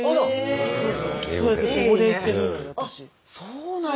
そうなの。